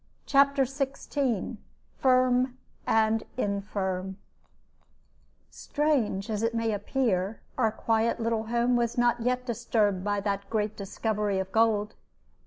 CHAPTER XVI FIRM AND INFIRM Strange as it may appear, our quiet little home was not yet disturbed by that great discovery of gold.